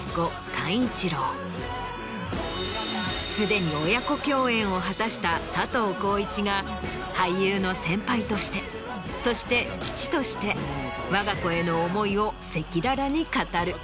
すでに親子共演を果たした佐藤浩市が俳優の先輩としてそして父として我が子への想いを赤裸々に語る。